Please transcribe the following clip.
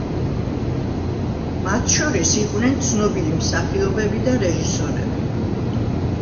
მათ შორის იყვნენ ცნობილი მსახიობები და რეჟისორები.